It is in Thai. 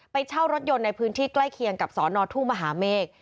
เช่ารถยนต์ในพื้นที่ใกล้เคียงกับสอนอทุ่งมหาเมฆ